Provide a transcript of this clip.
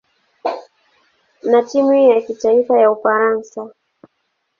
na timu ya kitaifa ya Ufaransa.